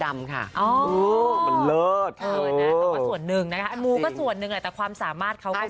มูก็ส่วนหนึ่งแหละแต่ความสามารถเขาก็มี